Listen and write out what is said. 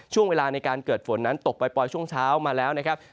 ช่วงเวลาในการเกิดฝนนั้นตกปล่อยช่วงเช้ามาแล้วนะครับ